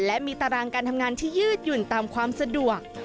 และมีตารางการทำงานที่ยืดหยุ่นตามความสะดวก